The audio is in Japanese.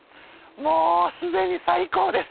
もう既に最高です。